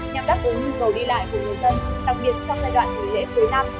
nhằm đáp ứng nhu cầu đi lại của người dân đặc biệt trong giai đoạn người dễ phối năm